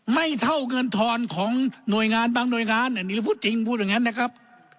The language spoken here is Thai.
ไม่เท่าเงินทอนของหน่วยงานบางหน่วยงานอันนี้พูดจริงพูดอย่างนั้นนะครับ